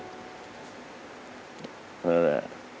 นั่นแหละ